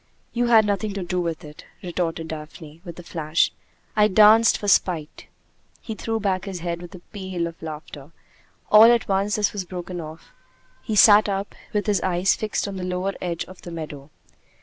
"You had nothing to do with it," retorted Daphne, with a flash. "I danced for spite." He threw back his head with a peal of laughter. All at once this was broken off. He sat up, with his eyes fixed on the lower edge of the meadow.